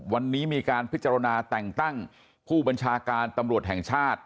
วันนี้มีการพิจารณาแต่งตั้งผู้บัญชาการตำรวจแห่งชาติ